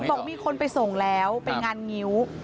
บอกมีคนไปส่งแล้วไปงานงิ้ว